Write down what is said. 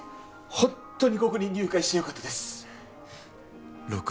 ホントにここに入会してよかったです